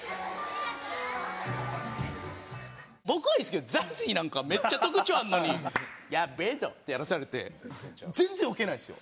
僕はいいですけどＺＡＺＹなんかめっちゃ特徴あるのに「やっべぇぞ！」ってやらされて全然ウケないんですよ。